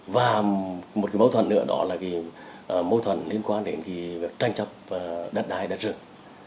và một cái mâu thuẫn nữa đó là cái mâu thuẫn liên quan đến cái việc tranh chấp đất đai đất rừng